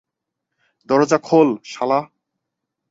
দরজা খোল, শালা!